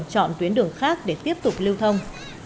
chọn tuyến đường khác để tiếp tục lưu thông